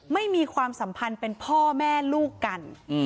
ไม่มีความสัมพันธ์เป็นพ่อแม่ลูกกัน